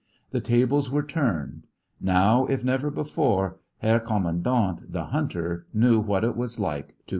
The tables were turned. Now, if never before, Herr Kommandant, the hunter, knew what it felt like to be hunted.